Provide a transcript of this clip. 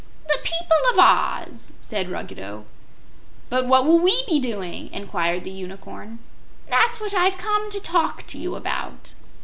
"The people of Oz," said Ruggedo. "But what will WE be doing?" inquired the Unicorn. "That's what I've come to talk to you about."